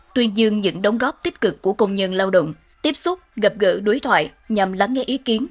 tuyên dương những đóng góp tích cực của công nhân lao động tiếp xúc gặp gỡ đối thoại nhằm lắng nghe ý kiến